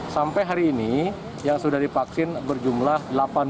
sampai hari ini yang sudah dipaksin berjumlah delapan puluh delapan